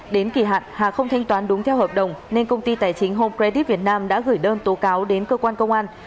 đến kỳ hạn hà không thanh toán đúng theo hợp đồng nên công ty tài chính hom credit việt nam đã gửi đơn tố cáo đến cơ quan công an